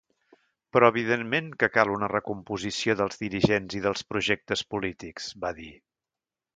Però evidentment que cal una recomposició dels dirigents i dels projectes polítics, va dir.